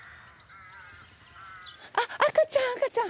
あっ赤ちゃん赤ちゃん！